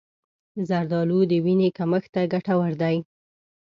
زردآلو د وینې کمښت ته ګټور دي.